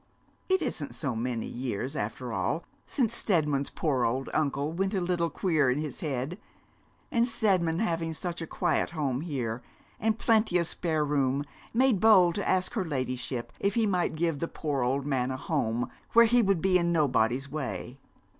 It isn't so many years, after all, since Steadman's poor old uncle went a little queer in his head; and Steadman, having such a quiet home here, and plenty of spare room, made bold to ask her ladyship if he might give the poor old man a home, where he would be in nobody's way.'